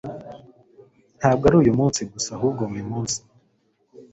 ntabwo ari uyu munsi gusa, ahubwo buri munsi